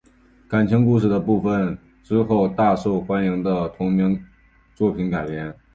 感情故事的部分被之后大受欢迎的同名作品改编。